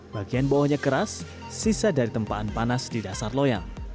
bagian bawahnya keras sisa dari tempaan panas di dasar loyang